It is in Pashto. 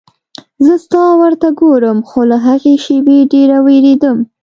زه ستا ور ته ګورم خو له هغې شېبې ډېره وېرېدم.